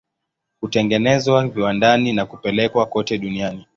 Hutengenezwa viwandani na kupelekwa kote duniani.